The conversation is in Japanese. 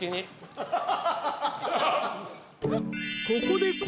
［ここで］